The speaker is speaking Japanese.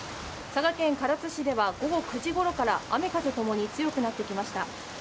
佐賀県唐津市では午後９時ごろから雨・風ともに強くなってきました。